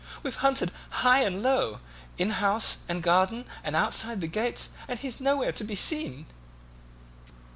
"We've hunted high and low, in house and garden and outside the gates, and he's nowhere to be seen."